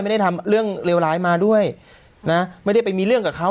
ไม่ได้ทำเรื่องเลวร้ายมาด้วยนะไม่ได้ไปมีเรื่องกับเขา